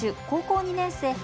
高校２年生